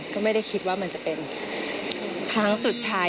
ก็ไม่ได้คิดว่ามันจะเป็นครั้งสุดท้าย